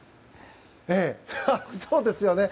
そうですよね。